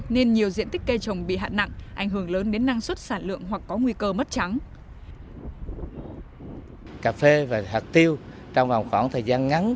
nên nhiều diện tích cây trồng bị hạn nặng ảnh hưởng lớn đến năng suất sản lượng hoặc có nguy cơ mất trắng